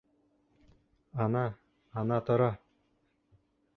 Ана, ана тора!